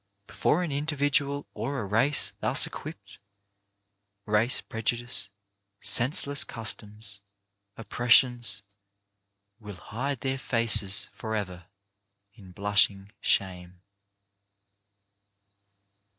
Before an individual or a race thus equipped, race prejudice, senseless customs, oppressions, will hide their faces forever in blushing shame.